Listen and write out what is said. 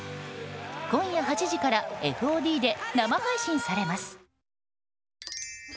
今夜８時からＦＯＤで生配信されます。